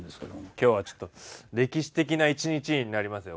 今日はちょっと歴史的な一日になりますよ